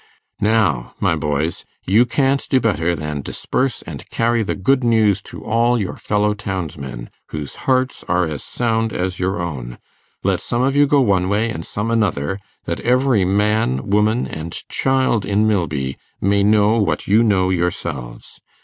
'Now, my boys! you can't do better than disperse and carry the good news to all your fellow townsmen, whose hearts are as sound as your own. Let some of you go one way and some another, that every man, woman, and child in Milby may know what you know yourselves.